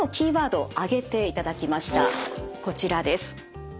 こちらです。